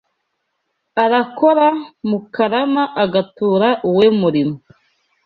Arakora mukalyama Agatura uwe mulimo